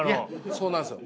そうなんですよ。